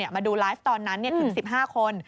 มาดูไลฟ์ตอนนั้นถึง๑๕คน